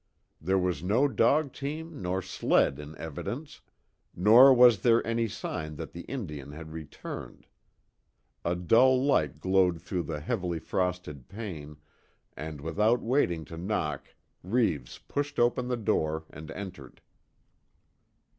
There was no dog team nor sled in evidence, nor was there any sign that the Indian had returned. A dull light glowed through the heavily frosted pane and without waiting to knock Reeves pushed open the door and entered.